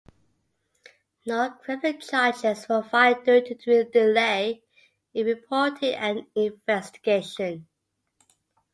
No criminal charges were filed due to the delay in reporting and investigation.